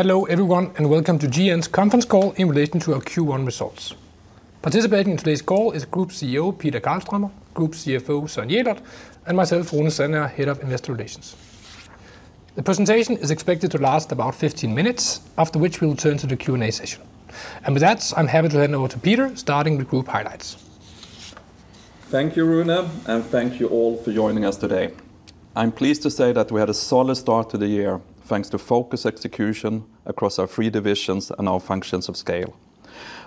Hello everyone, and welcome to GN's conference call in relation to our Q1 results. Participating in today's call is Group CEO, Peter Karlstromer, Group CFO, Søren Jelert, and myself, Rune Sandager, Head of Investor Relations. The presentation is expected to last about 15 minutes, after which we will turn to the Q&A session. With that, I'm happy to hand over to Peter, starting with group highlights. Thank you, Rune, and thank you all for joining us today. I'm pleased to say that we had a solid start to the year, thanks to focused execution across our three divisions and our functions of scale.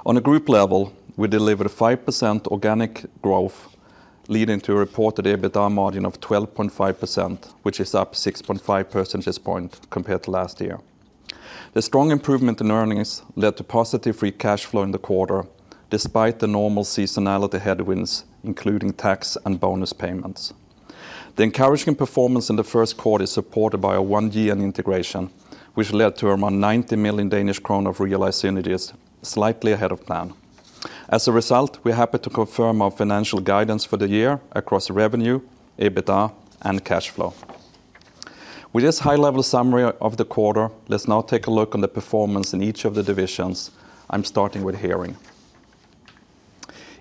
On a group level, we delivered 5% organic growth, leading to a reported EBITDA margin of 12.5%, which is up 6.5 percentage points compared to last year. The strong improvement in earnings led to positive free cash flow in the quarter, despite the normal seasonality headwinds, including tax and bonus payments. The encouraging performance in the first quarter is supported by One GN integration, which led to around 90 million Danish kroner of realized synergies, slightly ahead of plan. As a result, we're happy to confirm our financial guidance for the year across revenue, EBITDA, and cash flow. With this high-level summary of the quarter, let's now take a look on the performance in each of the divisions. I'm starting with hearing.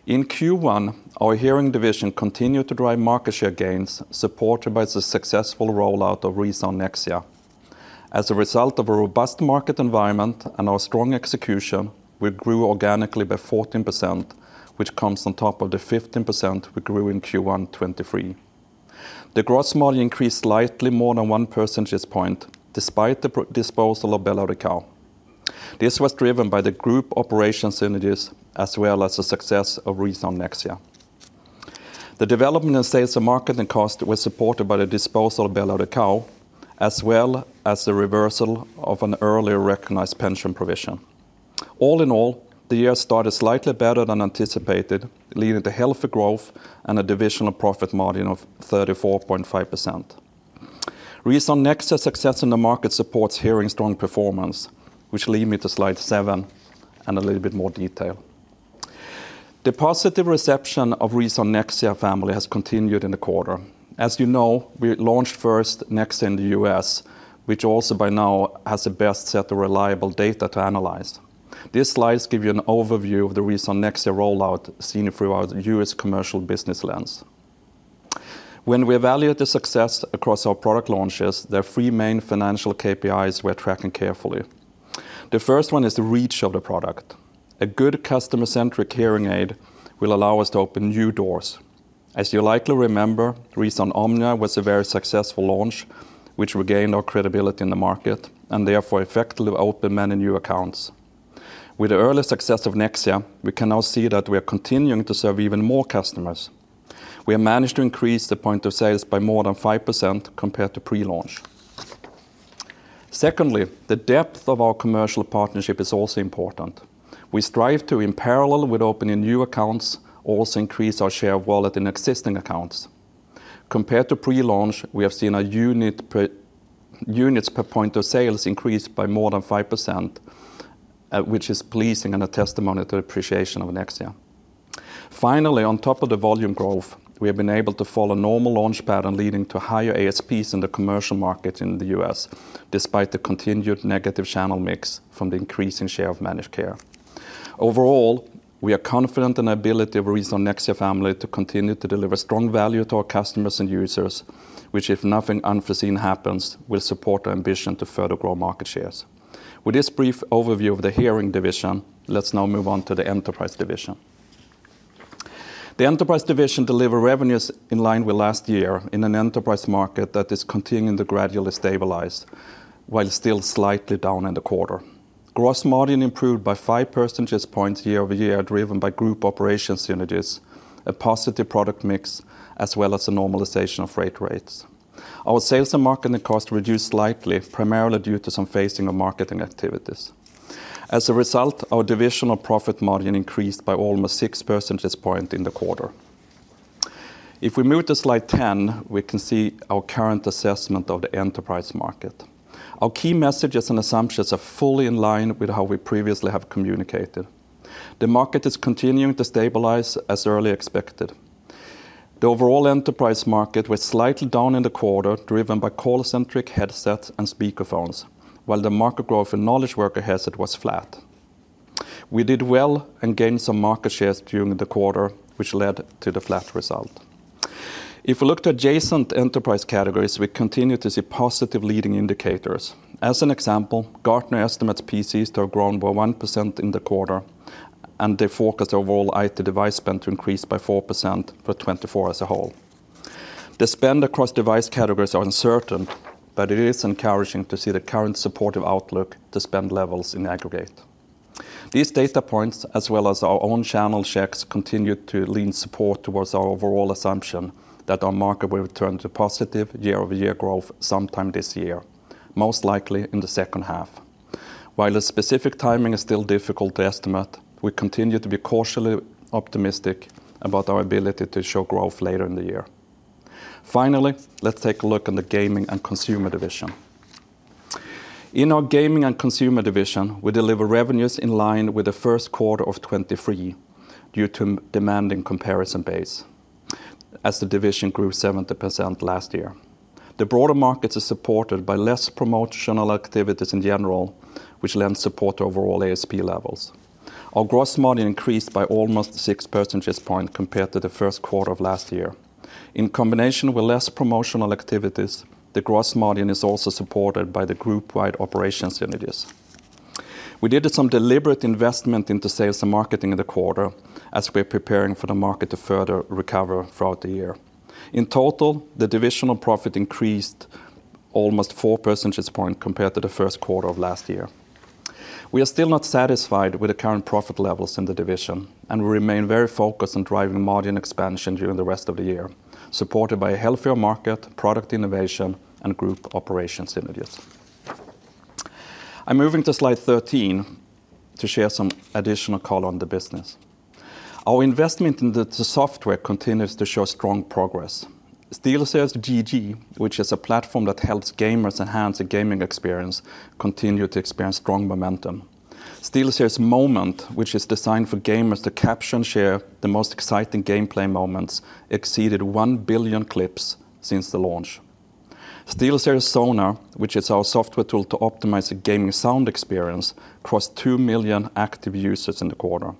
In Q1, our hearing division continued to drive market share gains, supported by the successful rollout of ReSound Nexia. As a result of a robust market environment and our strong execution, we grew organically by 14%, which comes on top of the 15% we grew in Q1 2023. The gross margin increased slightly more than one percentage point, despite the disposal of BelAudição. This was driven by the group operation synergies, as well as the success of ReSound Nexia. The development in sales and marketing cost was supported by the disposal of BelAudição, as well as the reversal of an earlier recognized pension provision. All in all, the year started slightly better than anticipated, leading to healthy growth and a divisional profit margin of 34.5%. ReSound Nexia success in the market supports Hearing's strong performance, which leads me to slide seven and a little bit more detail. The positive reception of ReSound Nexia family has continued in the quarter. As you know, we launched first Nexia in the U.S., which also by now has the best set of reliable data to analyze. These slides give you an overview of the ReSound Nexia rollout seen through our US commercial business lens. When we evaluate the success across our product launches, there are three main financial KPIs we're tracking carefully. The first one is the reach of the product. A good customer-centric hearing aid will allow us to open new doors. As you likely remember, ReSound Omnia was a very successful launch, which regained our credibility in the market, and therefore effectively opened many new accounts. With the early success of Nexia, we can now see that we are continuing to serve even more customers. We have managed to increase the point of sales by more than 5% compared to pre-launch. Secondly, the depth of our commercial partnership is also important. We strive to, in parallel with opening new accounts, also increase our share of wallet in existing accounts. Compared to pre-launch, we have seen units per point of sales increase by more than 5%, which is pleasing and a testimony to the appreciation of Nexia. Finally, on top of the volume growth, we have been able to follow a normal launch pattern leading to higher ASPs in the commercial market in the U.S., despite the continued negative channel mix from the increasing share of Managed Care. Overall, we are confident in the ability of ReSound Nexia family to continue to deliver strong value to our customers and users, which, if nothing unforeseen happens, will support our ambition to further grow market shares. With this brief overview of the hearing division, let's now move on to the enterprise division. The enterprise division deliver revenues in line with last year in an enterprise market that is continuing to gradually stabilize, while still slightly down in the quarter. Gross margin improved by five percentage points year-over-year, driven by group operation synergies, a positive product mix, as well as a normalization of freight rates. Our sales and marketing cost reduced slightly, primarily due to some phasing of marketing activities. As a result, our divisional profit margin increased by almost 6 percentage points in the quarter. If we move to slide 10, we can see our current assessment of the enterprise market. Our key messages and assumptions are fully in line with how we previously have communicated. The market is continuing to stabilize as earlier expected. The overall enterprise market was slightly down in the quarter, driven by call-centric headsets and speakerphones, while the market growth in knowledge worker headset was flat. We did well and gained some market shares during the quarter, which led to the flat result. If we look to adjacent enterprise categories, we continue to see positive leading indicators. As an example, Gartner estimates PCs to have grown by 1% in the quarter, and they forecast overall IT device spend to increase by 4% for 2024 as a whole. The spend across device categories are uncertain, but it is encouraging to see the current supportive outlook to spend levels in aggregate. These data points, as well as our own channel checks, continue to lean support towards our overall assumption that our market will return to positive year-over-year growth sometime this year, most likely in the second half. While the specific timing is still difficult to estimate, we continue to be cautiously optimistic about our ability to show growth later in the year. Finally, let's take a look at the gaming and consumer division. In our gaming and consumer division, we deliver revenues in line with the first quarter of 2023, due to demanding comparison base.... As the division grew 70% last year. The broader markets are supported by less promotional activities in general, which lend support to overall ASP levels. Our gross margin increased by almost six percentage points compared to the first quarter of last year. In combination with less promotional activities, the gross margin is also supported by the group-wide operation synergies. We did some deliberate investment into sales and marketing in the quarter, as we're preparing for the market to further recover throughout the year. In total, the divisional profit increased almost four percentage points compared to the first quarter of last year. We are still not satisfied with the current profit levels in the division, and we remain very focused on driving margin expansion during the rest of the year, supported by a healthier market, product innovation, and group operation synergies. I'm moving to slide 13 to share some additional color on the business. Our investment in the software continues to show strong progress. SteelSeries GG, which is a platform that helps gamers enhance their gaming experience, continue to experience strong momentum. SteelSeries Moment, which is designed for gamers to capture and share the most exciting gameplay moments, exceeded one billion clips since the launch. SteelSeries Sonar, which is our software tool to optimize the gaming sound experience, crossed two million active users in the quarter.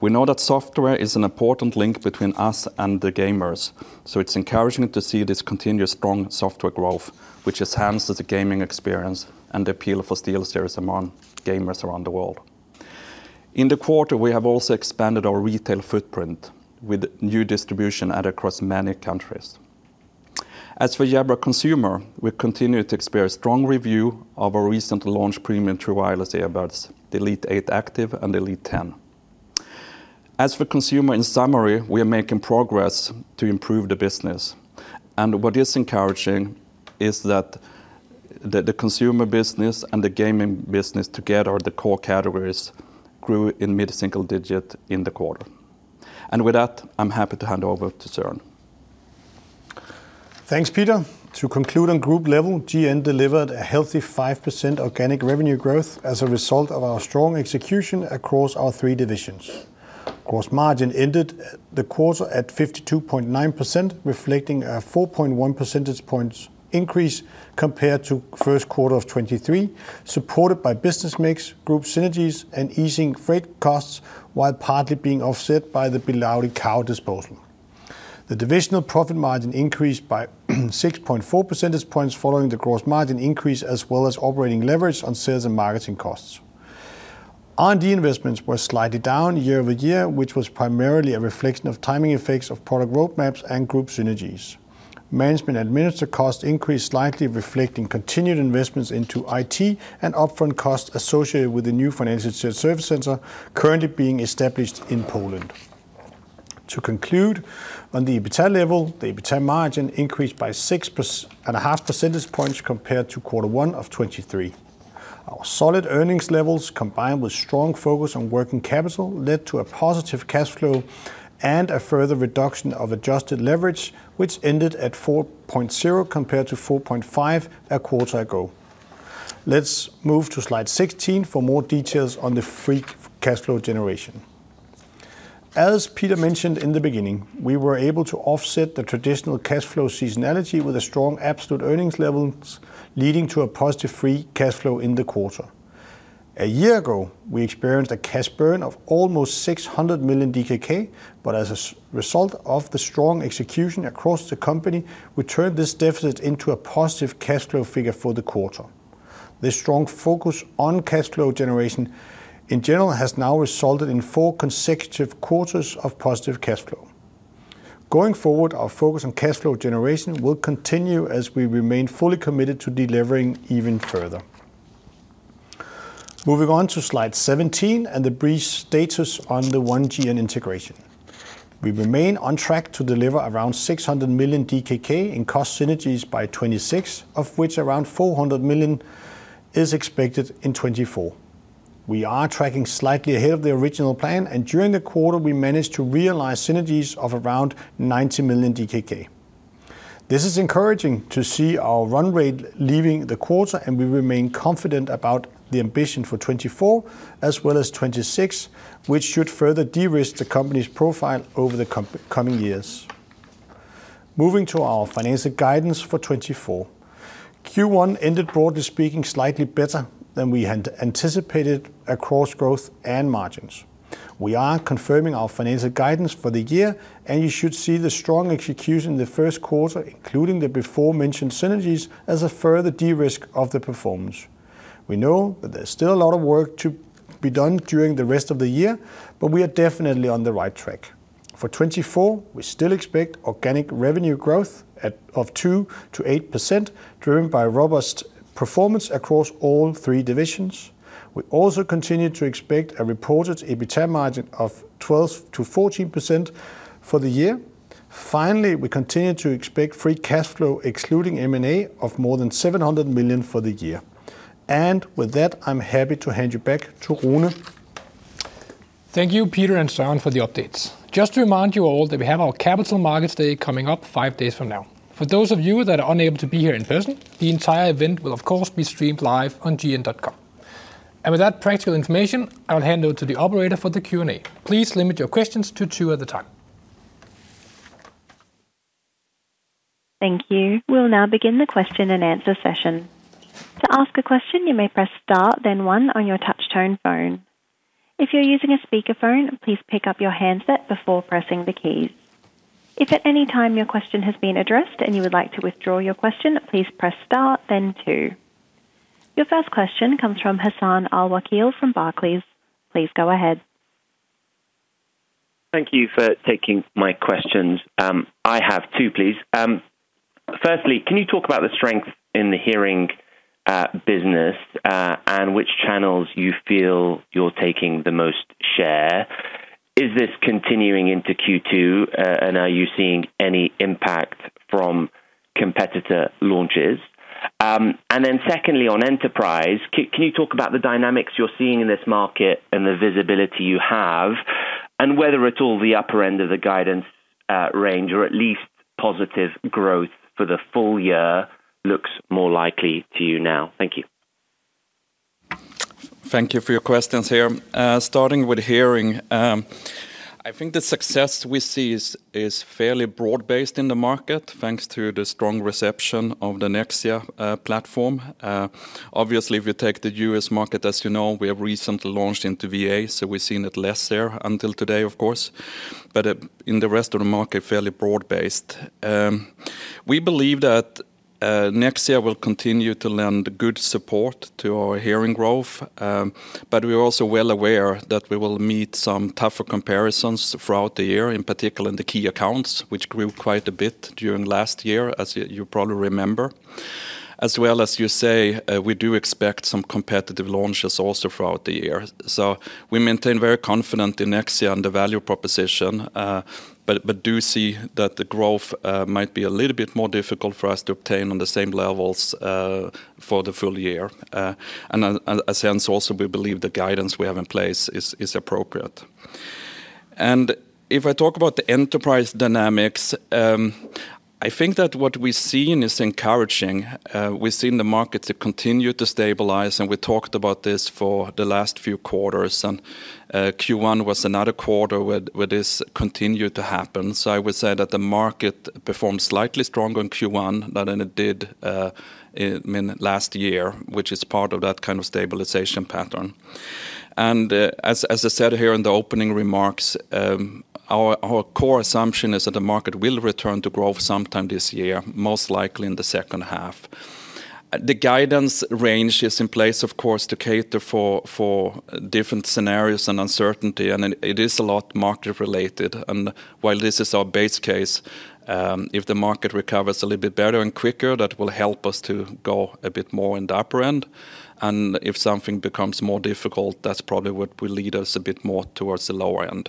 We know that software is an important link between us and the gamers, so it's encouraging to see this continuous strong software growth, which enhances the gaming experience and the appeal for SteelSeries among gamers around the world. In the quarter, we have also expanded our retail footprint with new distribution added across many countries. As for Jabra Consumer, we continue to experience strong review of our recent launch premium true wireless earbuds, the Elite 8 Active and Elite 10. As for consumer, in summary, we are making progress to improve the business, and what is encouraging is that the consumer business and the gaming business together, the core categories, grew in mid-single digit in the quarter. With that, I'm happy to hand over to Søren. Thanks, Peter. To conclude on group level, GN delivered a healthy 5% organic revenue growth as a result of our strong execution across our three divisions. Gross margin ended the quarter at 52.9%, reflecting a 4.1 percentage points increase compared to first quarter of 2023, supported by business mix, group synergies, and easing freight costs, while partly being offset by the BelAudição disposal. The divisional profit margin increased by 6.4 percentage points following the gross margin increase, as well as operating leverage on sales and marketing costs. R&D investments were slightly down year-over-year, which was primarily a reflection of timing effects of product roadmaps and group synergies. Management administrative costs increased slightly, reflecting continued investments into IT and upfront costs associated with the new financial service center currently being established in Poland. To conclude, on the EBITDA level, the EBITDA margin increased by 6.5 percentage points compared to quarter one of 2023. Our solid earnings levels, combined with strong focus on working capital, led to a positive cash flow and a further reduction of adjusted leverage, which ended at 4.0 compared to 4.5 a quarter ago. Let's move to slide 16 for more details on the free cash flow generation. As Peter mentioned in the beginning, we were able to offset the traditional cash flow seasonality with a strong absolute earnings levels, leading to a positive free cash flow in the quarter. A year ago, we experienced a cash burn of almost 600 million DKK, but as a result of the strong execution across the company, we turned this deficit into a positive cash flow figure for the quarter. This strong focus on cash flow generation, in general, has now resulted in four consecutive quarters of positive cash flow. Going forward, our focus on cash flow generation will continue as we remain fully committed to delivering even further. Moving on to slide 17 and the brief status on the One GN Integration. We remain on track to deliver around 600 million DKK in cost synergies by 2026, of which around 400 million is expected in 2024. We are tracking slightly ahead of the original plan, and during the quarter, we managed to realize synergies of around 90 million DKK. This is encouraging to see our run rate leaving the quarter, and we remain confident about the ambition for 2024 as well as 2026, which should further de-risk the company's profile over the coming years. Moving to our financial guidance for 2024. Q1 ended, broadly speaking, slightly better than we had anticipated across growth and margins. We are confirming our financial guidance for the year, and you should see the strong execution in the first quarter, including the aforementioned synergies, as a further de-risk of the performance. We know that there's still a lot of work to be done during the rest of the year, but we are definitely on the right track. For 2024, we still expect organic revenue growth at, of 2%-8%, driven by robust performance across all three divisions. We also continue to expect a reported EBITDA margin of 12%-14% for the year. Finally, we continue to expect free cash flow, excluding M&A, of more than 700 million for the year. And with that, I'm happy to hand you back to Rune. Thank you, Peter and Søren, for the updates. Just to remind you all that we have our Capital Markets Day coming up five days from now. For those of you that are unable to be here in person, the entire event will, of course, be streamed live on gn.com. With that practical information, I will hand over to the operator for the Q&A. Please limit your questions to two at the time. Thank you. We'll now begin the question and answer session. To ask a question, you may press Star, then one on your touch tone phone. If you're using a speakerphone, please pick up your handset before pressing the keys. If at any time your question has been addressed and you would like to withdraw your question, please press Star, then two. Your first question comes from Hassan Al-Wakeel, from Barclays. Please go ahead. Thank you for taking my questions. I have two, please. Firstly, can you talk about the strength in the hearing business, and which channels you feel you're taking the most share? Is this continuing into Q2, and are you seeing any impact from competitor launches? And then secondly, on enterprise, can you talk about the dynamics you're seeing in this market and the visibility you have, and whether at all the upper end of the guidance range, or at least positive growth for the full year looks more likely to you now? Thank you. Thank you for your questions here. Starting with hearing, I think the success we see is fairly broad-based in the market, thanks to the strong reception of the Nexia platform. Obviously, if you take the U.S. market, as you know, we have recently launched into VA, so we've seen it less there until today, of course, but in the rest of the market, fairly broad-based. We believe that Nexia will continue to lend good support to our hearing growth, but we're also well aware that we will meet some tougher comparisons throughout the year, in particular in the key accounts, which grew quite a bit during last year, as you probably remember. As well as you say, we do expect some competitive launches also throughout the year, so we remain very confident in Nexia and the value proposition, but we do see that the growth might be a little bit more difficult for us to obtain on the same levels for the full year. In a sense also, we believe the guidance we have in place is appropriate. If I talk about the enterprise dynamics, I think that what we've seen is encouraging. We've seen the markets continue to stabilize, and we talked about this for the last few quarters, and Q1 was another quarter where this continued to happen. So I would say that the market performed slightly stronger in Q1 than it did in, I mean, last year, which is part of that kind of stabilization pattern. As I said here in the opening remarks, our core assumption is that the market will return to growth sometime this year, most likely in the second half. The guidance range is in place, of course, to cater for different scenarios and uncertainty, and it is a lot market-related. While this is our base case, if the market recovers a little bit better and quicker, that will help us to go a bit more in the upper end, and if something becomes more difficult, that's probably what will lead us a bit more towards the lower end.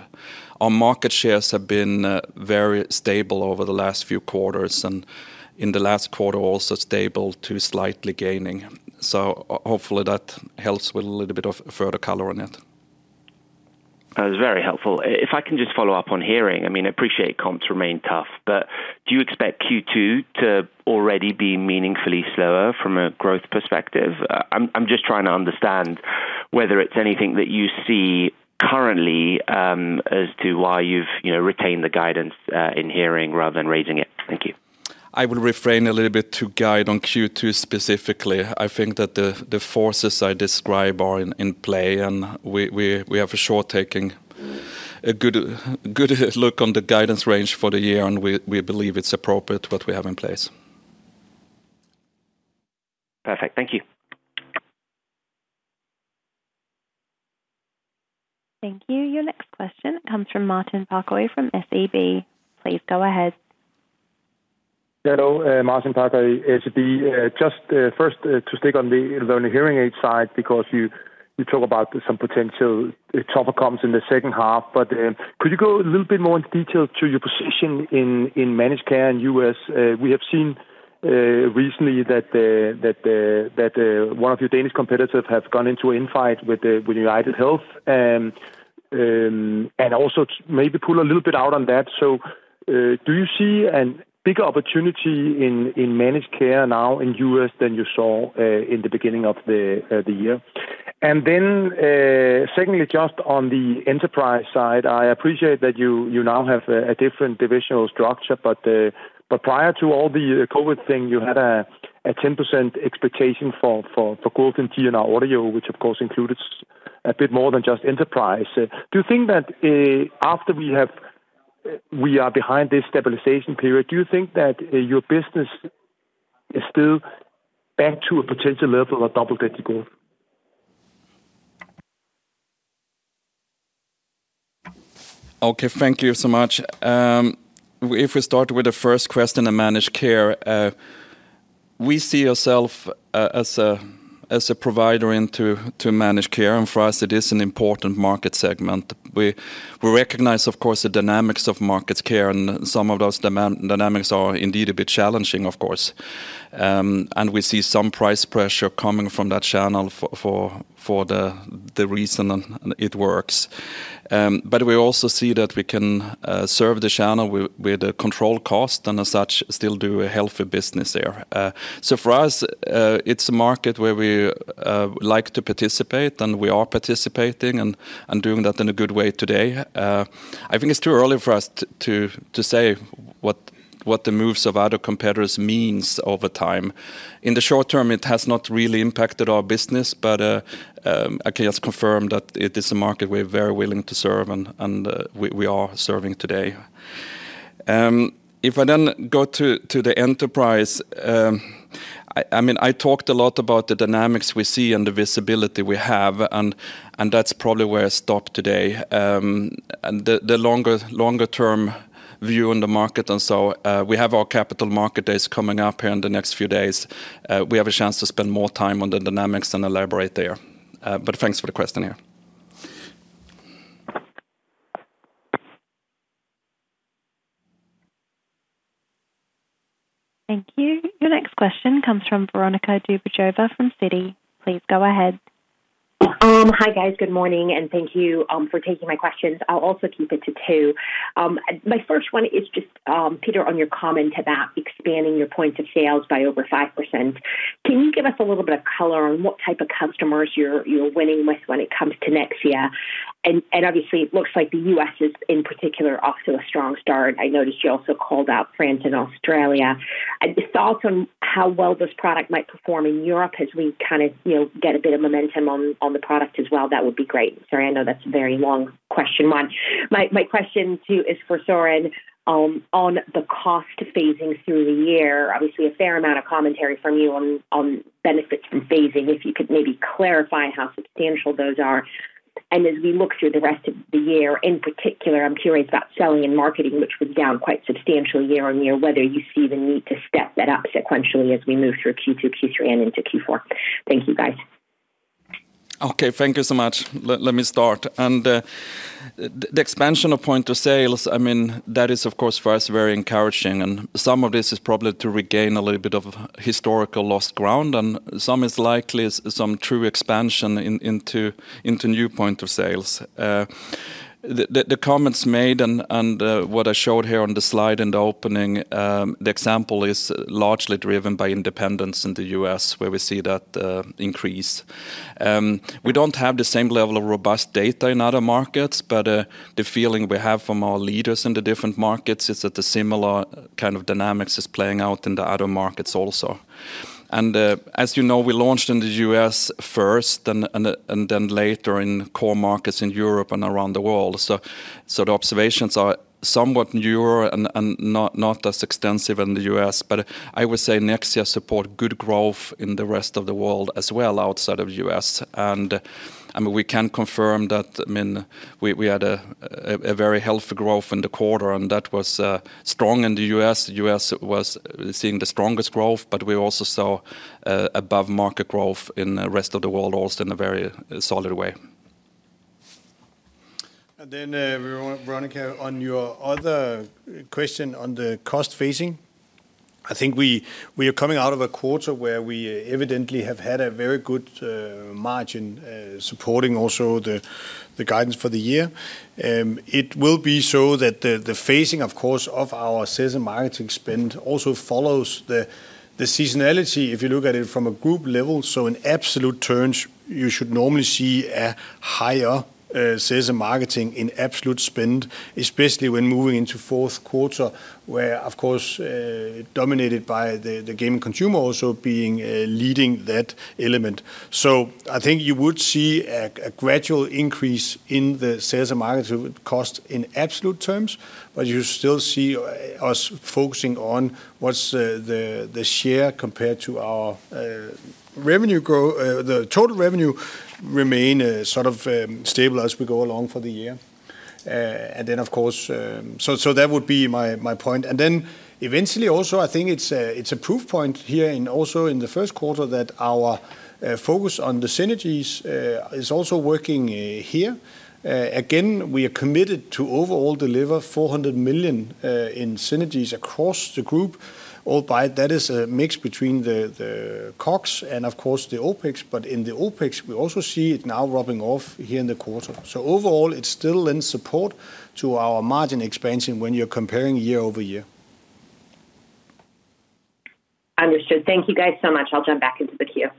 Our market shares have been very stable over the last few quarters, and in the last quarter, also stable to slightly gaining. Hopefully that helps with a little bit of further color on it. That was very helpful. If I can just follow up on hearing, I mean, I appreciate comps remain tough, but do you expect Q2 to already be meaningfully slower from a growth perspective? I'm just trying to understand whether it's anything that you see currently as to why you've, you know, retained the guidance in hearing, rather than raising it. Thank you. I would refrain a little bit to guide on Q2 specifically. I think that the forces I describe are in play, and we have for sure taking a good look on the guidance range for the year, and we believe it's appropriate, what we have in place. Perfect. Thank you. Thank you. Your next question comes from Martin Parkhøi from SEB. Please go ahead. Yeah, hello, Martin Parkhøi, SEB. Just first to stick on the hearing aid side, because you talk about some potential tougher comps in the second half, but could you go a little bit more into detail to your position in managed care in U.S.? We have seen recently that one of your Danish competitors have gone into a fight with UnitedHealth Group, and also maybe pull a little bit out on that. So do you see a bigger opportunity in managed care now in U.S. than you saw in the beginning of the year? Secondly, just on the enterprise side, I appreciate that you now have a different divisional structure, but prior to all the COVID thing, you had a 10% expectation for growth in GN Audio, which of course included a bit more than just enterprise. Do you think that, after we have... we are behind this stabilization period, do you think that your business is still back to a potential level of double-digit growth? Okay. Thank you so much. If we start with the first question, in managed care, we see ourselves as a provider into managed care, and for us, it is an important market segment. We recognize, of course, the dynamics of managed care, and some of those dynamics are indeed a bit challenging, of course. And we see some price pressure coming from that channel for the reason and it works. But we also see that we can serve the channel with a controlled cost, and as such, still do a healthy business there. So for us, it's a market where we like to participate, and we are participating, and doing that in a good way today. I think it's too early for us to say what the moves of other competitors means over time. In the short term, it has not really impacted our business, but I can just confirm that it is a market we're very willing to serve, and we are serving today. If I then go to the enterprise, I mean, I talked a lot about the dynamics we see and the visibility we have, and that's probably where I stop today. And the longer-term view on the market and so, we have our Capital Markets Days coming up here in the next few days. We have a chance to spend more time on the dynamics and elaborate there. But thanks for the question here. Thank you. Your next question comes from Veronika Dubajova from Citi. Please go ahead. Hi, guys. Good morning, and thank you for taking my questions. I'll also keep it to two. My first one is just, Peter, on your comment about expanding your points of sales by over 5%. Can you give us a little bit of color on what type of customers you're winning with when it comes to Nexia? And obviously, it looks like the U.S. is, in particular, off to a strong start. I noticed you also called out France and Australia. And just thoughts on how well this product might perform in Europe as we kind of, you know, get a bit of momentum on the product as well, that would be great. Sorry, I know that's a very long question one. My question to you is for Søren, on the cost phasing through the year. Obviously, a fair amount of commentary from you on benefits from phasing. If you could maybe clarify how substantial those are. And as we look through the rest of the year, in particular, I'm curious about selling and marketing, which was down quite substantially year-on-year, whether you see the need to step that up sequentially as we move through Q2, Q3, and into Q4. Thank you, guys. Okay, thank you so much. Let me start. And the expansion of point of sales, I mean, that is, of course, for us, very encouraging, and some of this is probably to regain a little bit of historical lost ground, and some is likely some true expansion into new point of sales. The comments made and what I showed here on the slide in the opening, the example is largely driven by independents in the U.S., where we see that increase. We don't have the same level of robust data in other markets, but the feeling we have from our leaders in the different markets is that the similar kind of dynamics is playing out in the other markets also. As you know, we launched in the U.S. first, and then later in core markets in Europe and around the world. So the observations are somewhat newer and not as extensive in the U.S., but I would say Nexia support good growth in the rest of the world, as well, outside of U.S.. I mean, we can confirm that. We had a very healthy growth in the quarter, and that was strong in the U.S.. U.S. was seeing the strongest growth, but we also saw above-market growth in the rest of the world, also in a very solid way. And then, Veronica, on your other question on the cost phasing, I think we, we are coming out of a quarter where we evidently have had a very good margin, supporting also the, the guidance for the year. It will be so that the, the phasing, of course, of our sales and marketing spend also follows the, the seasonality, if you look at it from a group level. So in absolute terms, you should normally see a higher sales and marketing in absolute spend, especially when moving into fourth quarter, where, of course, dominated by the, the gaming consumer also being leading that element. So I think you would see a gradual increase in the sales and marketing cost in absolute terms, but you still see us focusing on what's the share compared to our revenue growth, the total revenue remains sort of stable as we go along for the year. And then, of course, that would be my point. And then eventually, also, I think it's a proof point here in, also in the first quarter, that our focus on the synergies is also working here. Again, we are committed to overall deliver 400 million in synergies across the group, albeit that is a mix between the CapEx and, of course, the OpEx. But in the OpEx, we also see it now rubbing off here in the quarter. Overall, it's still in support to our margin expansion when you're comparing year-over-year. Understood. Thank you, guys, so much. I'll jump back into the queue.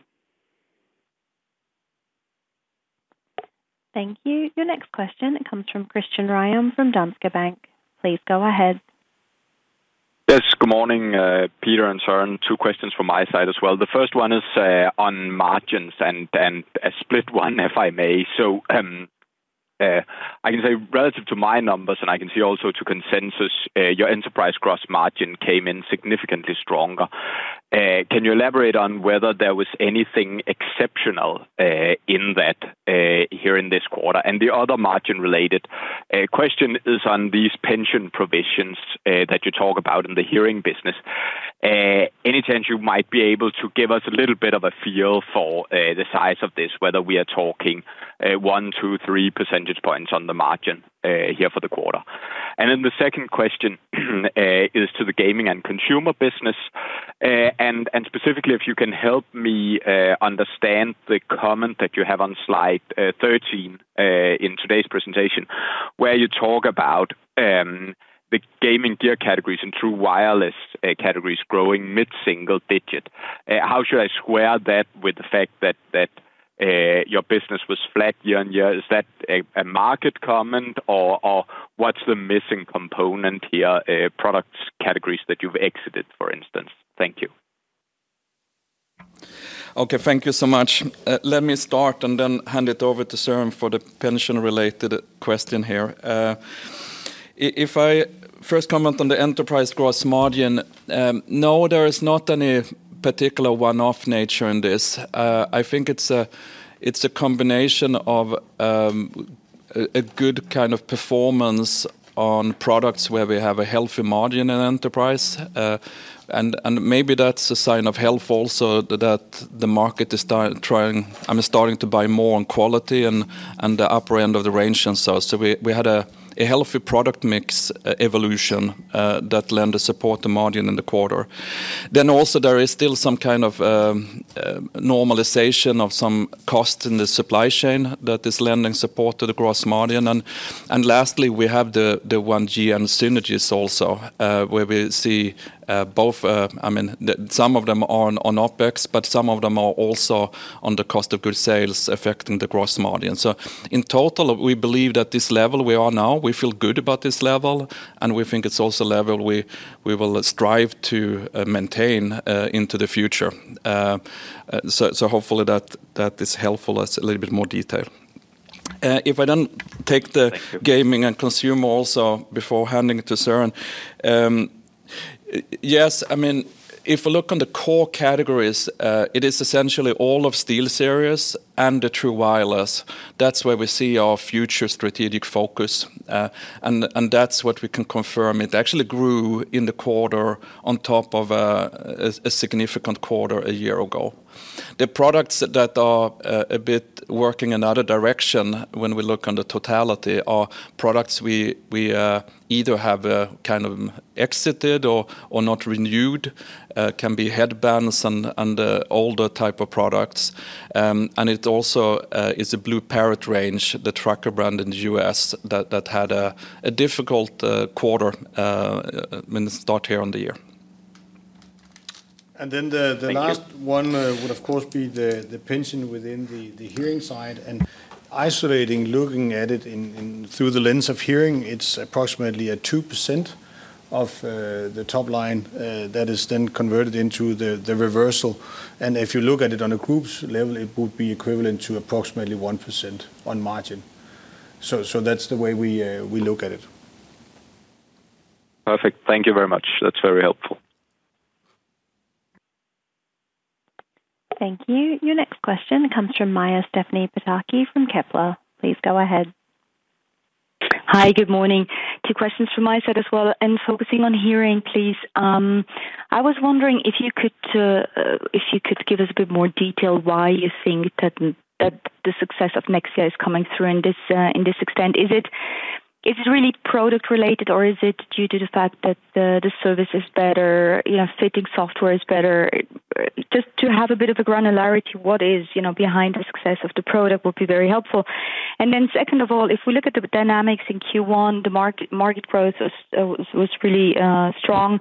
Thank you. Your next question comes from Christian Ryom, from Danske Bank. Please go ahead. Yes, good morning, Peter and Søren. Two questions from my side as well. The first one is on margins and a split one, if I may. So, I can say relative to my numbers, and I can see also to consensus, your enterprise gross margin came in significantly stronger. Can you elaborate on whether there was anything exceptional in that here in this quarter? And the other margin-related question is on these pension provisions that you talk about in the hearing business. Any chance you might be able to give us a little bit of a feel for the size of this, whether we are talking one, two, three percentage points on the margin here for the quarter? And then the second question is to the gaming and consumer business.... Specifically, if you can help me understand the comment that you have on slide 13 in today's presentation, where you talk about the gaming gear categories and true wireless categories growing mid-single digit. How should I square that with the fact that your business was flat year-on-year? Is that a market comment, or what's the missing component here, products categories that you've exited, for instance? Thank you. Okay, thank you so much. Let me start and then hand it over to Søren for the pension-related question here. If I first comment on the enterprise gross margin, no, there is not any particular one-off nature in this. I think it's a, it's a combination of, a good kind of performance on products where we have a healthy margin in enterprise. And maybe that's a sign of health also, that the market is starting to buy more on quality and the upper end of the range and so. So we had a healthy product mix evolution that lends support to margin in the quarter. Then also there is still some kind of normalization of some cost in the supply chain that is lending support to the gross margin. And lastly, we have the One GN synergies also, where we see both, I mean, then some of them are on OpEx, but some of them are also on the cost of goods sold affecting the gross margin. So in total, we believe that this level we are now, we feel good about this level, and we think it's also a level we will strive to maintain into the future. So hopefully that is helpful as a little bit more detail. If I then take the- Thank you. -gaming and consumer also before handing it to Søren. Yes, I mean, if we look on the core categories, it is essentially all of SteelSeries and the true wireless. That's where we see our future strategic focus, and that's what we can confirm. It actually grew in the quarter on top of a significant quarter a year ago. The products that are a bit working another direction when we look on the totality are products we either have kind of exited or not renewed. Can be headbands and older type of products. And it also is a BlueParrott range, the trucker brand in the U.S., that had a difficult quarter, I mean, start here on the year. And then the last one would of course be the pension within the hearing side, and isolating, looking at it through the lens of hearing, it's approximately a 2% of the top line that is then converted into the reversal. And if you look at it on a group's level, it would be equivalent to approximately 1% on margin. So that's the way we look at it. Perfect. Thank you very much. That's very helpful. Thank you. Your next question comes from Maja Stephanie Pataki from Kepler. Please go ahead. Hi, good morning. Two questions from my side as well, and focusing on hearing, please. I was wondering if you could give us a bit more detail why you think that the success of Nexia is coming through in this extent. Is it really product related, or is it due to the fact that the service is better, you know, fitting software is better? Just to have a bit of a granularity, what is, you know, behind the success of the product would be very helpful. And then second of all, if we look at the dynamics in Q1, the market growth was really strong.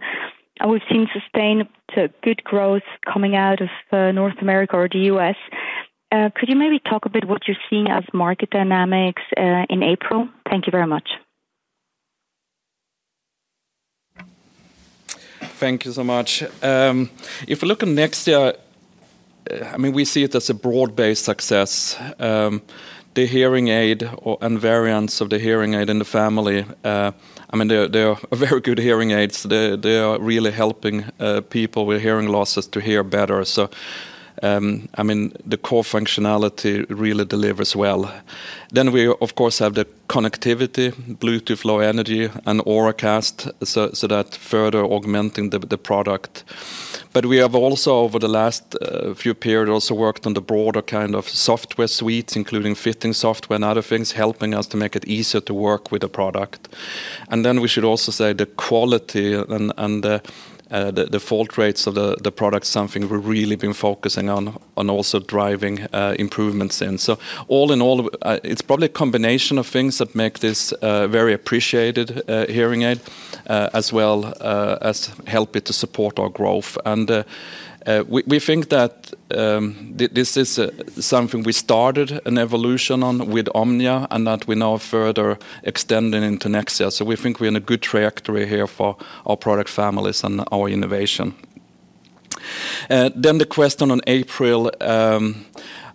We've seen sustained good growth coming out of North America or the U.S., could you maybe talk a bit what you're seeing as market dynamics in April? Thank you very much. Thank you so much. If we look at Nexia, I mean, we see it as a broad-based success. The hearing aid and variants of the hearing aid in the family, I mean, they are very good hearing aids. They are really helping people with hearing losses to hear better. So, I mean, the core functionality really delivers well. Then we, of course, have the connectivity, Bluetooth Low Energy and Auracast, so that further augmenting the product. But we have also, over the last few periods, worked on the broader kind of software suite, including fitting software and other things, helping us to make it easier to work with the product. And then we should also say the quality and the fault rates of the product, something we've really been focusing on also driving improvements in. So all in all, it's probably a combination of things that make this a very appreciated hearing aid as well as help it to support our growth. And we think that this is something we started an evolution on with Omnia, and that we're now further extending into Nexia. So we think we're in a good trajectory here for our product families and our innovation. Then the question on April,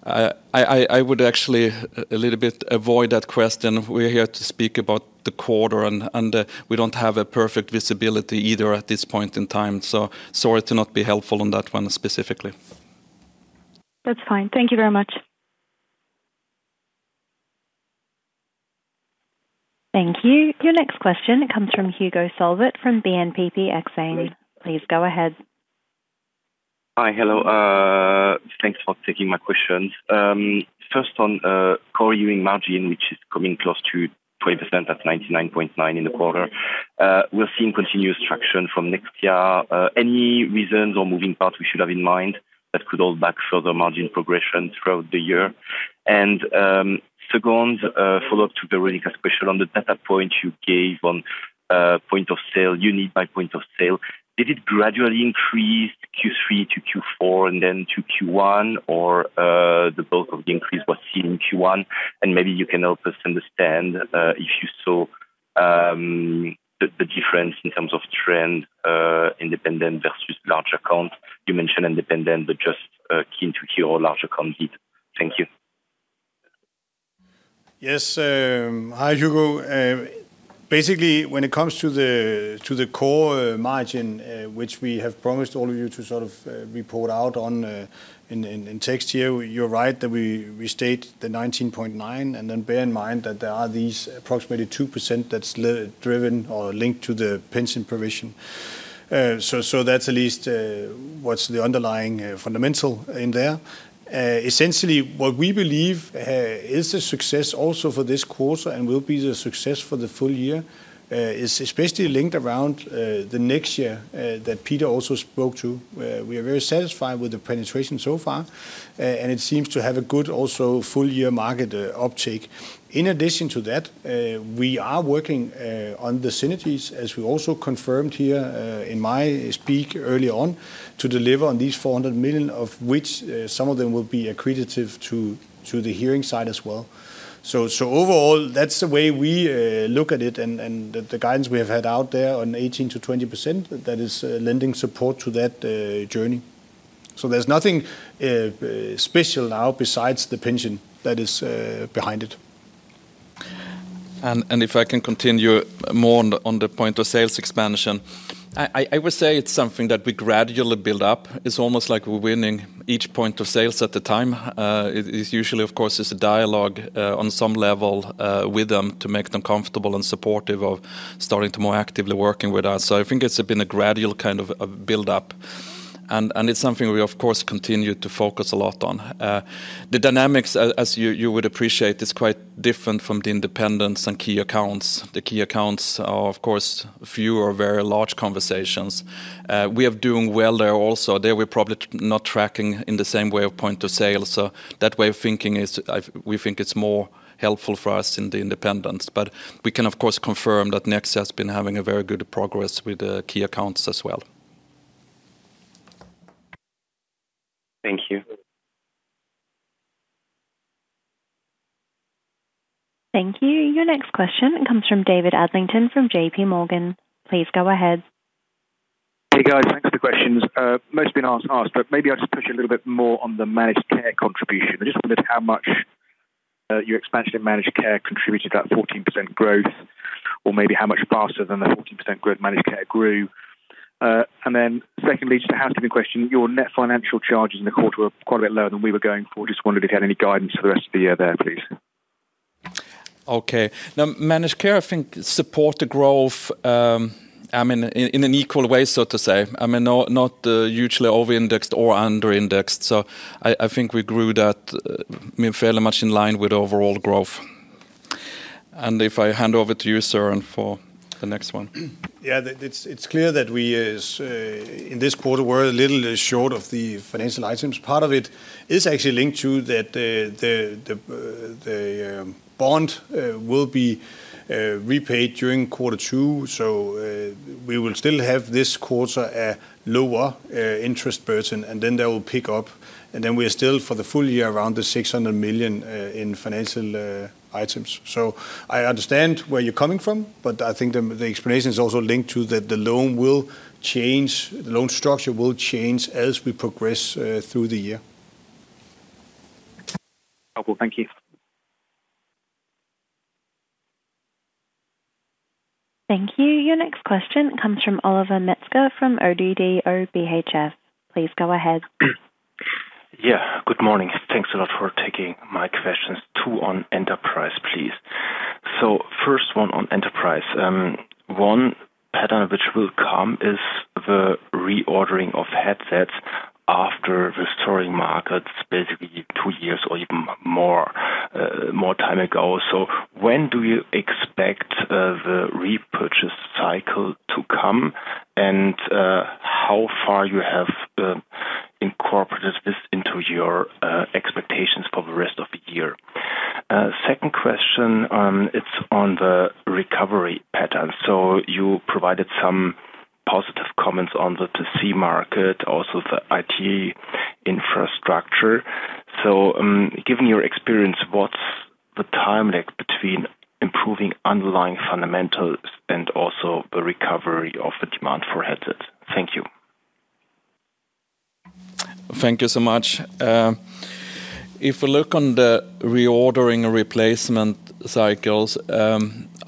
I would actually a little bit avoid that question. We're here to speak about the quarter, and we don't have a perfect visibility either at this point in time, so sorry to not be helpful on that one specifically. That's fine. Thank you very much. Thank you. Your next question comes from Hugo Solvet, from BNPP Exane. Please go ahead. ... Hi. Hello, thanks for taking my questions. First on core hearing margin, which is coming close to 20% at 99.9 in the quarter. We're seeing continuous traction from Nexia. Any reasons or moving parts we should have in mind that could hold back further margin progression throughout the year? And second, follow-up to Veronika's question on the data point you gave on point of sale, unit by point of sale. Did it gradually increase Q3 to Q4 and then to Q1, or the bulk of the increase was seen in Q1? And maybe you can help us understand if you saw the difference in terms of trend, independent versus large accounts. You mentioned independent, but just keen to hear what large accounts did. Thank you. Yes, hi, Hugo. Basically, when it comes to the core margin, which we have promised all of you to sort of report out on in text here, you're right that we state the 19.9, and then bear in mind that there are these approximately 2% that's driven or linked to the pension provision. So that's at least what's the underlying fundamental in there. Essentially, what we believe is a success also for this quarter and will be a success for the full year is especially linked around the Nexia that Peter also spoke to. We are very satisfied with the penetration so far, and it seems to have a good also full-year market uptake. In addition to that, we are working on the synergies, as we also confirmed here in my speech early on, to deliver on these 400 million, of which some of them will be accretive to the hearing side as well. So overall, that's the way we look at it, and the guidance we have had out there on 18%-20%, that is lending support to that journey. So there's nothing special now besides the pension that is behind it. If I can continue more on the point of sales expansion. I would say it's something that we gradually build up. It's almost like we're winning each point of sales at a time. It is usually, of course, it's a dialogue on some level with them to make them comfortable and supportive of starting to more actively working with us. So I think it's been a gradual kind of build-up, and it's something we, of course, continue to focus a lot on. The dynamics, as you would appreciate, is quite different from the independents and key accounts. The key accounts are, of course, a few or very large conversations. We are doing well there also. There, we're probably not tracking in the same way of point of sale, so that way of thinking is, I... We think it's more helpful for us in the independence. But we can, of course, confirm that Nexia has been having a very good progress with the key accounts as well. Thank you. Thank you. Your next question comes from David Adlington, from JPMorgan. Please go ahead. Hey, guys, thanks for the questions. Most have been asked, but maybe I'll just push a little bit more on the managed care contribution. I just wondered how much your expansion in managed care contributed to that 14% growth, or maybe how much faster than the 14% growth managed care grew. And then secondly, just a housekeeping question, your net financial charges in the quarter were quite a bit lower than we were going for. Just wondered if you had any guidance for the rest of the year there, please. Okay. Now, Managed care, I think, support the growth, I mean, in an equal way, so to say. I mean, not usually over-indexed or under-indexed. So I think we grew that, fairly much in line with overall growth. And if I hand over to you, Søren, for the next one. Yeah, it's clear that we as in this quarter, we're a little short of the financial items. Part of it is actually linked to that the bond will be repaid during quarter two, so we will still have this quarter a lower interest burden, and then that will pick up. And then we are still, for the full year, around 600 million in financial items. So I understand where you're coming from, but I think the explanation is also linked to the loan will change, the loan structure will change as we progress through the year. Okay. Thank you. Thank you. Your next question comes from Olivier Metzger, from ODDO BHF. Please go ahead. Yeah, good morning. Thanks a lot for taking my questions, two on Enterprise, please. So first one on Enterprise. One pattern which will come is the reordering of headsets after restoring markets, basically two years or even more, more time ago. So when do you expect the repurchase cycle to come, and how far you have incorporated this into your expectations for the rest of the year? Second question, it's on the recovery pattern. So you provided some positive comments on the TC market, also the IT infrastructure. So, given your experience, what's the time lag between improving underlying fundamentals and also the recovery of the demand for headsets? Thank you. Thank you so much. If we look on the reordering replacement cycles,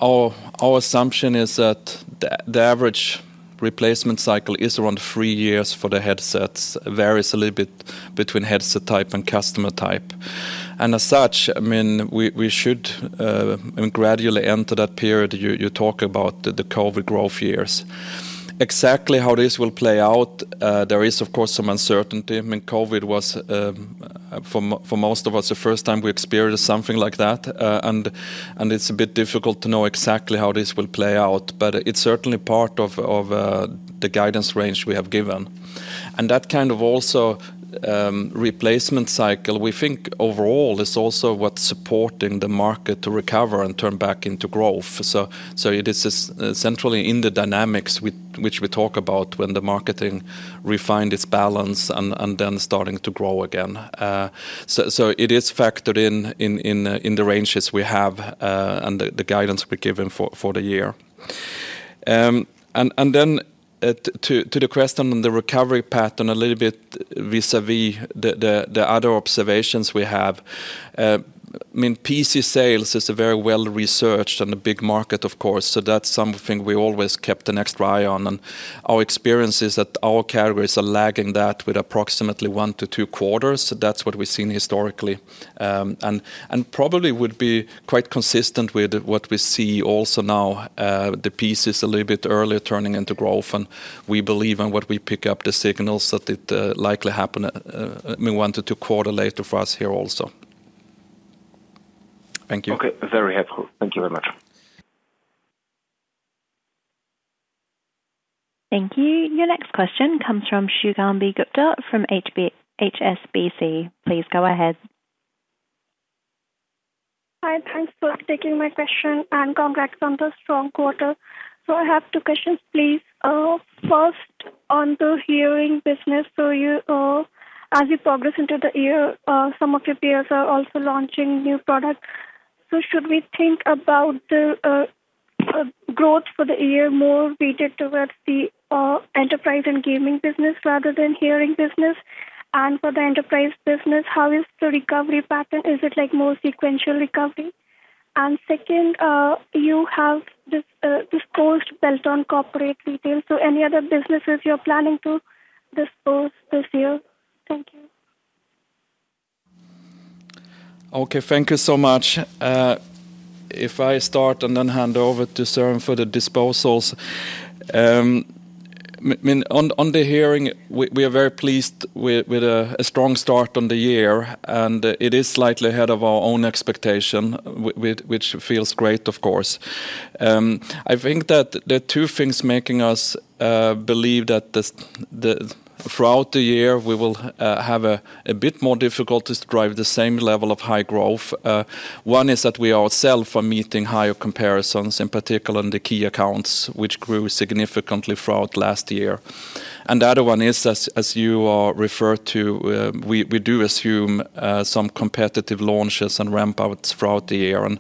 our assumption is that the average replacement cycle is around three years for the headsets. Varies a little bit between headset type and customer type. And as such, I mean, we should gradually enter that period you talk about, the COVID growth years. Exactly how this will play out, there is, of course, some uncertainty. I mean, COVID was for most of us, the first time we experienced something like that, and it's a bit difficult to know exactly how this will play out. But it's certainly part of the guidance range we have given. And that kind of also replacement cycle, we think overall is also what's supporting the market to recover and turn back into growth. So it is essentially in the dynamics which we talk about when the marketing refined its balance and then starting to grow again. So it is factored in the ranges we have, and the guidance we've given for the year. And then to the question on the recovery pattern, a little bit vis-à-vis the other observations we have. I mean, PC sales is a very well-researched and a big market, of course, so that's something we always kept an extra eye on, and our experience is that our categories are lagging that with approximately one to two quarters. So that's what we've seen historically. Probably would be quite consistent with what we see also now. The PC is a little bit earlier turning into growth, and we believe in what we pick up the signals that it likely happen one to two quarter later for us here also. Thank you. Okay, very helpful. Thank you very much. Thank you. Your next question comes from Shubhangi Gupta from HSBC. Please go ahead. Hi, thanks for taking my question, and congrats on the strong quarter. I have two questions, please. First, on the hearing business, so you, as you progress into the year, some of your peers are also launching new products. So should we think about the growth for the year more weighted towards the enterprise and gaming business rather than hearing business? And for the enterprise business, how is the recovery pattern? Is it like more sequential recovery? And second, you have this course built on corporate retail, so any other businesses you're planning to dispose this year? Thank you. Okay, thank you so much. If I start and then hand over to Søren for the disposals. I mean, on the hearing, we are very pleased with a strong start on the year, and it is slightly ahead of our own expectation, which feels great, of course. I think that there are two things making us believe that this, the throughout the year, we will have a bit more difficult to drive the same level of high growth. One is that we ourselves are meeting higher comparisons, in particular in the key accounts, which grew significantly throughout last year. And the other one is, as you referred to, we do assume some competitive launches and ramp outs throughout the year, and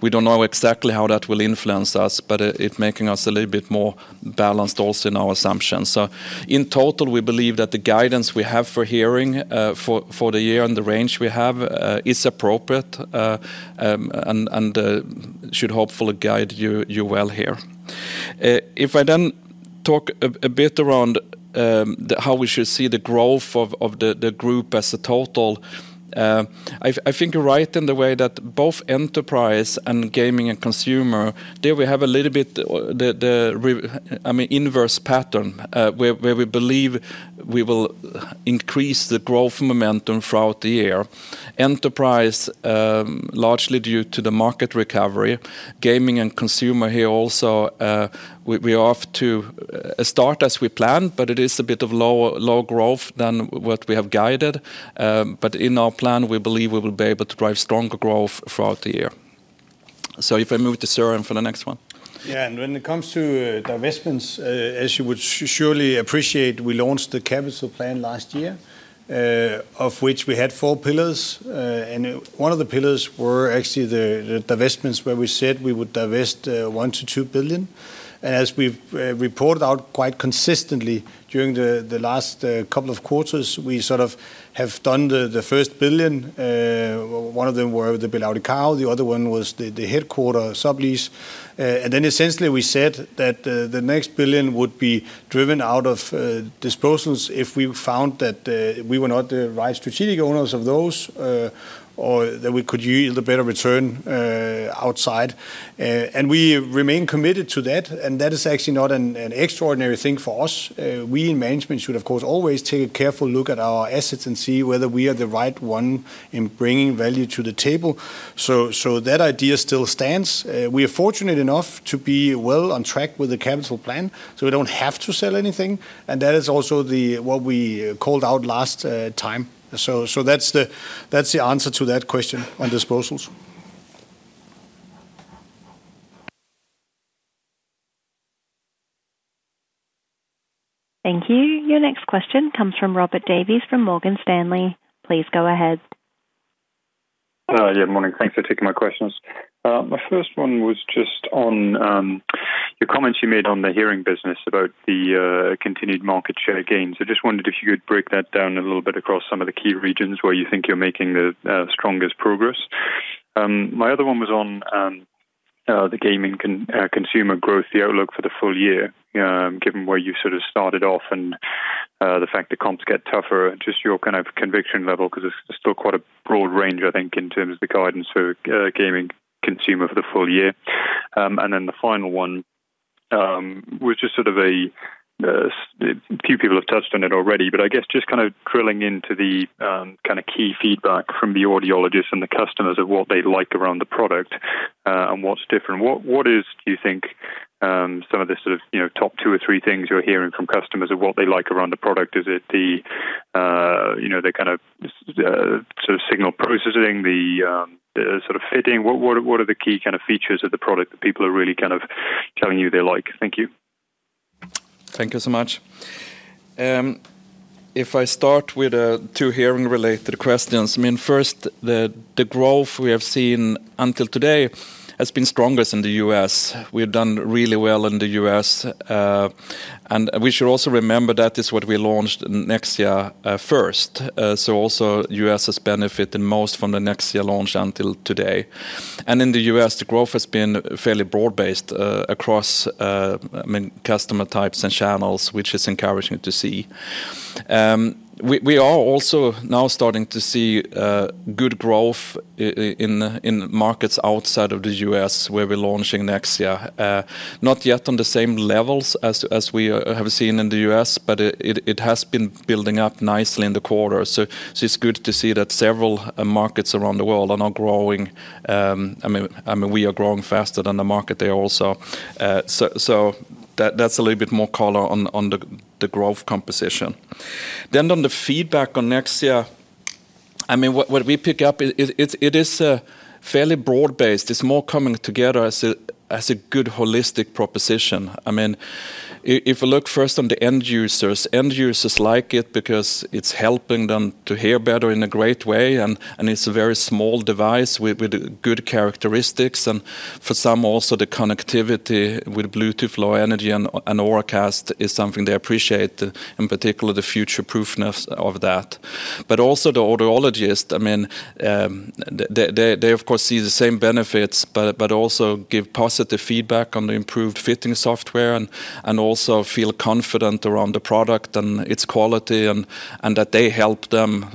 we don't know exactly how that will influence us, but it making us a little bit more balanced also in our assumptions. So in total, we believe that the guidance we have for hearing, for the year and the range we have is appropriate, and should hopefully guide you well here. If I then talk a bit around how we should see the growth of the group as a total, I think you're right in the way that both enterprise and gaming and consumer, there we have a little bit, I mean, inverse pattern where we believe we will increase the growth momentum throughout the year. Enterprise largely due to the market recovery. Gaming and consumer here also, we are off to a start as we planned, but it is a bit of lower low growth than what we have guided. But in our plan, we believe we will be able to drive stronger growth throughout the year. So if I move to Søren for the next one. Yeah, and when it comes to divestments, as you would surely appreciate, we launched the capital plan last year, of which we had four pillars, and one of the pillars were actually the divestments, where we said we would divest 1 billion-2 billion. As we've reported out quite consistently during the last couple of quarters, we sort of have done the first 1 billion. One of them were the BelAudição, the other one was the headquarter sublease. And then essentially, we said that the next 1 billion would be driven out of disposals if we found that we were not the right strategic owners of those or that we could yield a better return outside, and we remain committed to that, and that is actually not an extraordinary thing for us. We in management should, of course, always take a careful look at our assets and see whether we are the right one in bringing value to the table. So that idea still stands. We are fortunate enough to be well on track with the capital plan, so we don't have to sell anything, and that is also the what we called out last time. So that's the answer to that question on disposals. Thank you. Your next question comes from Robert Davies, from Morgan Stanley. Please go ahead. Yeah, good morning. Thanks for taking my questions. My first one was just on the comments you made on the hearing business about the continued market share gains. I just wondered if you could break that down a little bit across some of the key regions where you think you're making the strongest progress? My other one was on the gaming consumer growth, the outlook for the full year, given where you sort of started off and the fact the comps get tougher, just your kind of conviction level, because it's still quite a broad range, I think, in terms of the guidance for gaming consumer for the full year. And then the final one was just sort of a few people have touched on it already, but I guess just kind of drilling into the kind of key feedback from the audiologists and the customers of what they like around the product, and what's different. What is, do you think, some of the sort of, you know, top two or three things you're hearing from customers of what they like around the product? Is it the, you know, the kind of, sort of signal processing, the the sort of fitting? What, what, what are the key kind of features of the product that people are really kind of telling you they like? Thank you. Thank you so much. If I start with two hearing-related questions, I mean, first, the growth we have seen until today has been strongest in the U.S.. We've done really well in the U.S., and we should also remember that is what we launched Nexia first. So also U.S. has benefited most from the Nexia launch until today. And in the U.S., the growth has been fairly broad-based across, I mean, customer types and channels, which is encouraging to see. We are also now starting to see good growth in markets outside of the U.S., where we're launching Nexia. Not yet on the same levels as we have seen in the U.S., but it has been building up nicely in the quarter. So it's good to see that several markets around the world are now growing, I mean, and we are growing faster than the market there also. So that's a little bit more color on the growth composition. Then on the feedback on Nexia, I mean, what we pick up, it is fairly broad-based. It's more coming together as a good holistic proposition. I mean, if you look first on the end users, end users like it because it's helping them to hear better in a great way, and it's a very small device with good characteristics, and for some also, the connectivity with Bluetooth Low Energy and Auracast is something they appreciate, in particular, the future-proofness of that. But also, the audiologist, I mean, they, of course, see the same benefits, but also give positive feedback on the improved fitting software and also feel confident around the product and its quality, and that they help them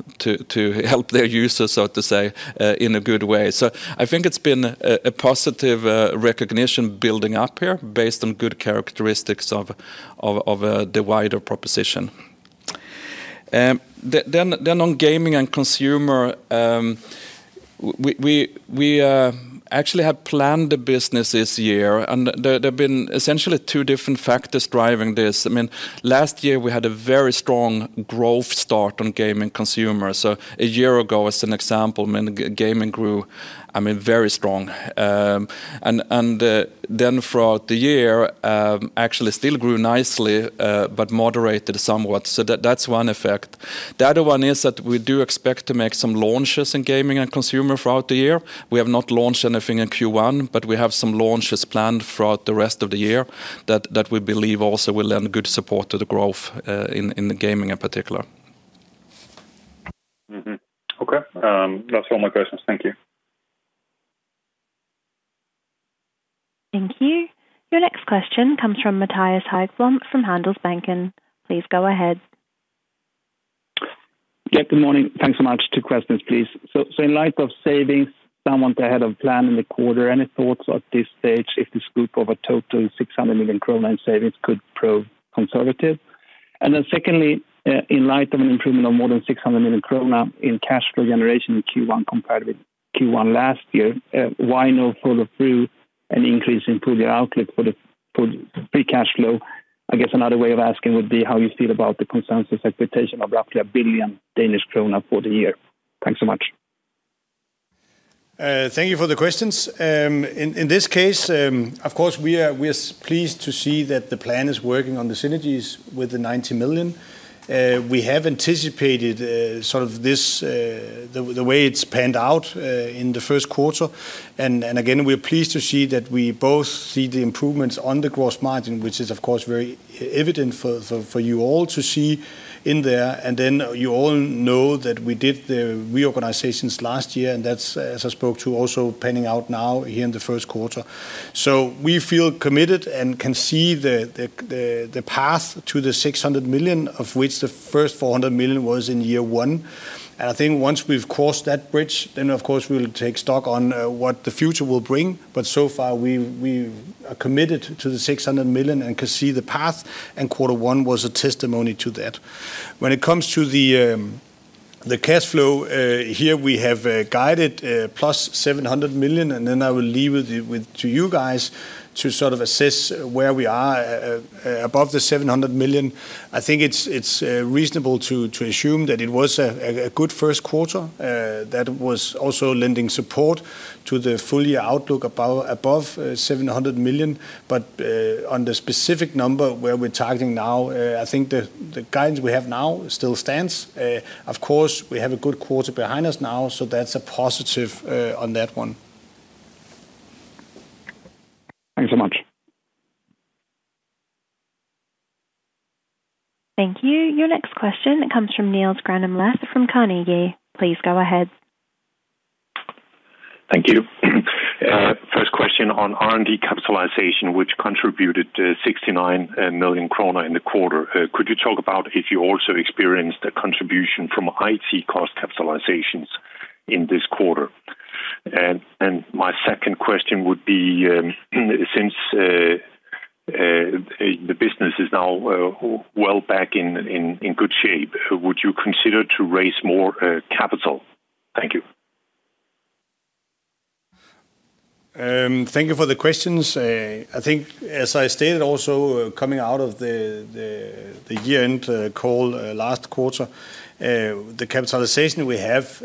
to help their users, so to say, in a good way. So I think it's been a positive recognition building up here, based on good characteristics of the wider proposition. Then on gaming and consumer, we actually have planned the business this year, and there have been essentially two different factors driving this. I mean, last year, we had a very strong growth start on gaming consumer. So a year ago, as an example, I mean, gaming grew, I mean, very strong. Then throughout the year, actually still grew nicely, but moderated somewhat, so that's one effect. The other one is that we do expect to make some launches in gaming and consumer throughout the year. We have not launched anything in Q1, but we have some launches planned throughout the rest of the year that we believe also will lend good support to the growth, in the gaming in particular. Mm-hmm. Okay. That's all my questions. Thank you. Thank you. Your next question comes from Mattias Häggblom from Handelsbanken. Please go ahead. Yeah, good morning. Thanks so much. Two questions, please. So, in light of savings somewhat ahead of plan in the quarter, any thoughts at this stage if the scope of a total 600 million kroner in savings could prove conservative? And then secondly, in light of an improvement of more than 600 million krone in cash flow generation in Q1 compared with Q1 last year, why no follow-through an increase in full year outlook for free cash flow? I guess another way of asking would be how you feel about the consensus expectation of roughly 1 billion Danish kroner for the year. Thanks so much. Thank you for the questions. In this case, of course, we are pleased to see that the plan is working on the synergies with the 90 million. We have anticipated sort of this, the way it's panned out in the first quarter, and again, we're pleased to see that we both see the improvements on the gross margin, which is, of course, very evident for you all to see in there, and then you all know that we did the reorganizations last year, and that's, as I spoke to, also panning out now, here in the first quarter. So we feel committed and can see the path to the 600 million, of which the first 400 million was in year one, and I think once we've crossed that bridge, then, of course, we'll take stock on what the future will bring. So far, we are committed to the 600 million and can see the path, and quarter one was a testimony to that. When it comes to the cash flow, here we have guided plus 700 million, and then I will leave it with to you guys to sort of assess where we are above the 700 million. I think it's reasonable to assume that it was a good first quarter that was also lending support to the full year outlook about above 700 million, but on the specific number where we're targeting now, I think the guidance we have now still stands. Of course, we have a good quarter behind us now, so that's a positive on that one. Thanks so much.... Next question comes from Niels Granholm-Leth from Carnegie. Please go ahead. Thank you. First question on R&D capitalization, which contributed to 69 million kroner in the quarter. Could you talk about if you also experienced a contribution from IT cost capitalizations in this quarter? And my second question would be, since the business is now well back in good shape, would you consider to raise more capital? Thank you. Thank you for the questions. I think as I stated also, coming out of the year-end call last quarter, the capitalization we have,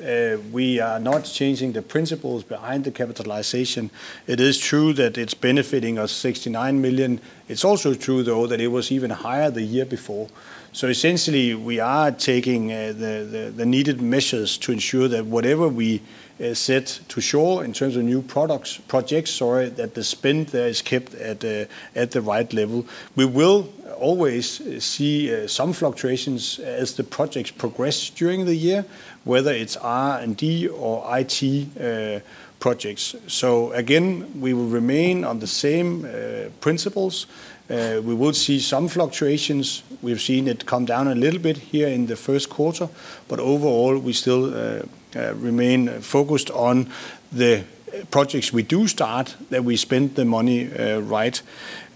we are not changing the principles behind the capitalization. It is true that it's benefiting us 69 million. It's also true, though, that it was even higher the year before. So essentially, we are taking the needed measures to ensure that whatever we set to show in terms of new products, projects, sorry, that the spend there is kept at the right level. We will always see some fluctuations as the projects progress during the year, whether it's R&D or IT projects. So again, we will remain on the same principles. We will see some fluctuations. We've seen it come down a little bit here in the first quarter, but overall, we still remain focused on the projects we do start, that we spend the money right.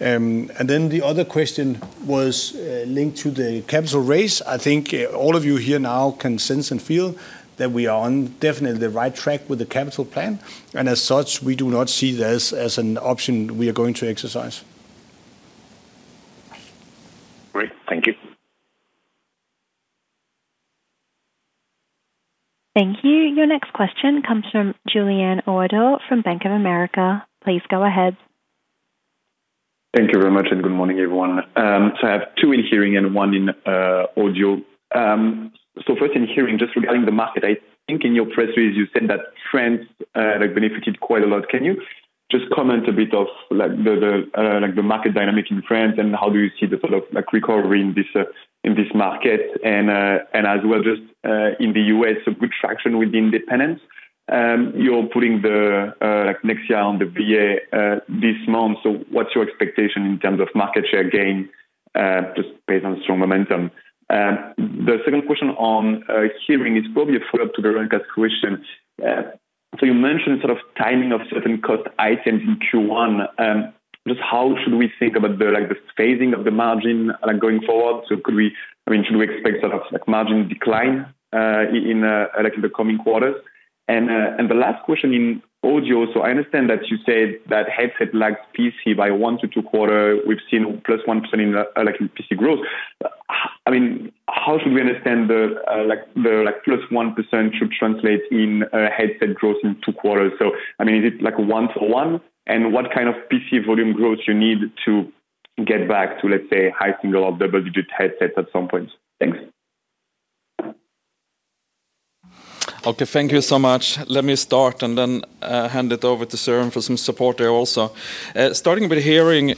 And then the other question was linked to the capital raise. I think all of you here now can sense and feel that we are on definitely the right track with the capital plan, and as such, we do not see this as an option we are going to exercise. Great. Thank you. Thank you. Your next question comes from Julien Ouaddour from Bank of America. Please go ahead. Thank you very much, and good morning, everyone. So I have two in hearing and one in audio. So first in hearing, just regarding the market, I think in your press release, you said that trends like benefited quite a lot. Can you just comment a bit of like the market dynamic in France, and how do you see the sort of like recovery in this market? And as well, just in the U.S., a good traction with independence. You're putting the like Nexia on the VA this month, so what's your expectation in terms of market share gain just based on strong momentum? The second question on hearing is probably a follow-up to the current question. So you mentioned sort of timing of certain cost items in Q1. Just how should we think about the, like, the phasing of the margin, like, going forward? So I mean, should we expect a lot of, like, margin decline, in like, in the coming quarters? And the last question in audio, so I understand that you said that headset lags PC by one-two quarters. We've seen +1% in, like, PC growth. I mean, how should we understand the, like, the, like, +1% should translate in, headset growth in two quarters? So, I mean, is it like a one-to-one? And what kind of PC volume growth you need to get back to, let's say, high single- or double-digit headsets at some point? Thanks. Okay, thank you so much. Let me start and then, hand it over to Søren for some support there also. Starting with hearing,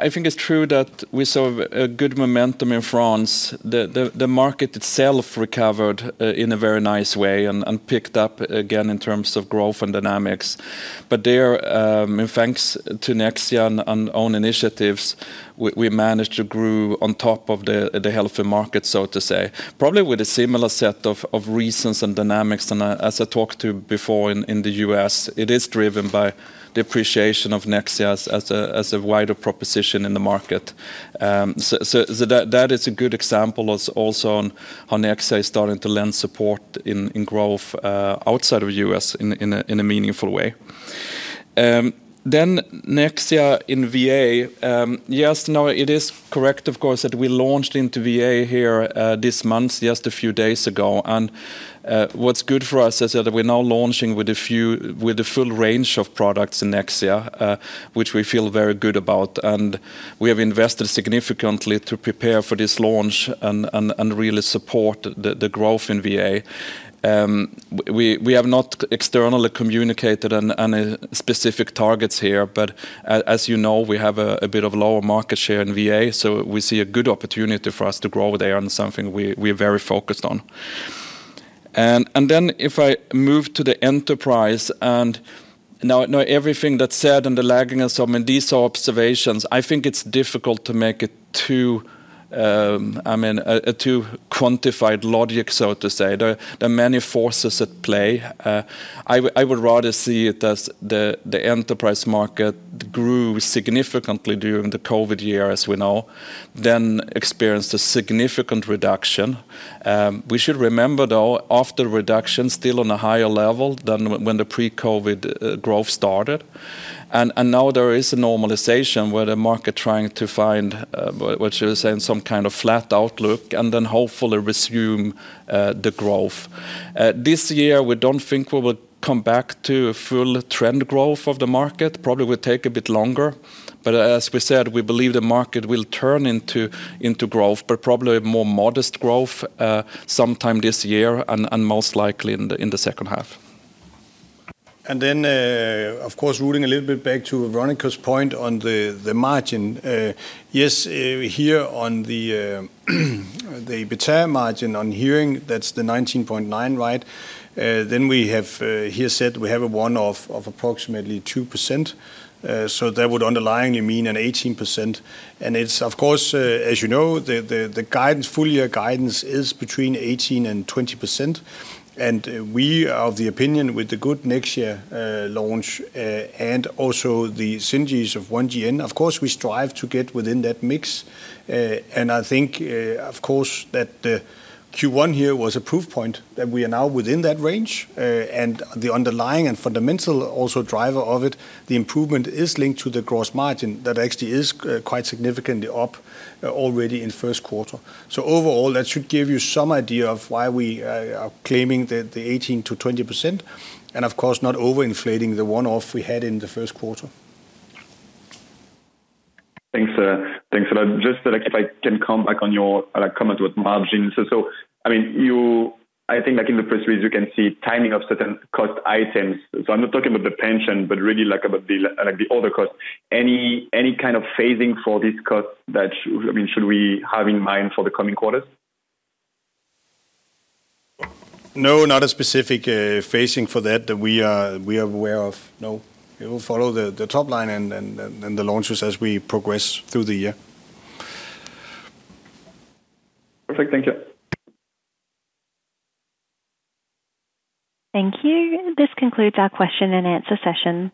I think it's true that we saw a good momentum in France. The market itself recovered, in a very nice way and picked up again in terms of growth and dynamics. But there, and thanks to Nexia on initiatives, we managed to grow on top of the healthy market, so to say. Probably with a similar set of reasons and dynamics, and, as I talked to before in the U.S., it is driven by the appreciation of Nexia as a wider proposition in the market. So that is a good example, as also on Nexia is starting to lend support in growth outside of U.S. in a meaningful way. Then Nexia in VA, yes, no, it is correct, of course, that we launched into VA here this month, just a few days ago, and what's good for us is that we're now launching with a full range of products in Nexia, which we feel very good about, and we have invested significantly to prepare for this launch and really support the growth in VA. We have not externally communicated any specific targets here, but as you know, we have a bit of lower market share in VA, so we see a good opportunity for us to grow there and something we're very focused on. Then if I move to the enterprise, now everything that's said and the lagging and so many of these observations, I think it's difficult to make it too quantified logic, so to say. I mean, a too quantified logic. There are many forces at play. I would rather see it as the enterprise market grew significantly during the COVID year, as we know, then experienced a significant reduction. We should remember, though, after reduction, still on a higher level than when the pre-COVID growth started. Now there is a normalization, where the market trying to find what you were saying, some kind of flat outlook and then hopefully resume the growth. This year, we don't think we will come back to a full trend growth of the market. Probably will take a bit longer, but as we said, we believe the market will turn into growth, but probably more modest growth sometime this year and most likely in the second half. Of course, referring a little bit back to Veronika's point on the margin. Yes, here on the better margin on hearing, that's the 19.9%, right? Then we have, as said, we have a one-off of approximately 2%, so that would underlyingly mean an 18%. And it's of course, as you know, the full year guidance is between 18% and 20%, and we are of the opinion with the good next year launch and also the synergies of One GN. Of course, we strive to get within that mix, and I think, of course, that the Q1 here was a proof point that we are now within that range, and the underlying and fundamental also driver of it, the improvement is linked to the gross margin that actually is, quite significantly up, already in first quarter. So overall, that should give you some idea of why we, are claiming the, the 18%-20%, and of course, not over-inflating the one-off we had in the first quarter. Thanks, sir. Thanks a lot. Just so, like, if I can come back on your, like, comments with margins. So, so I mean, you—I think like in the press release, you can see timing of certain cost items. So I'm not talking about the pension, but really like, about the, like, the other costs. Any, any kind of phasing for this cost that shou—I mean, should we have in mind for the coming quarters? No, not a specific phasing for that that we are aware of. No, it will follow the top line and the launches as we progress through the year. Perfect. Thank you. Thank you. This concludes our question and answer session.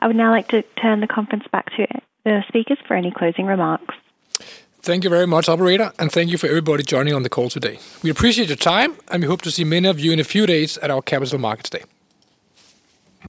I would now like to turn the conference back to the speakers for any closing remarks. Thank you very much, operator, and thank you for everybody joining on the call today. We appreciate your time, and we hope to see many of you in a few days at our Capital Markets Day.